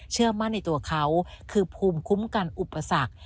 เชื่อมั่นในตัวเขาคือภูมิคุ้มกันอุปสรรค